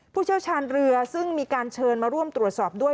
ผู้เชี่ยวชาญเรือซึ่งมีการเชิญมาร่วมตรวจสอบด้วย